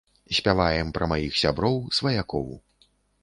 Спяваем пра маіх сяброў, сваякоў.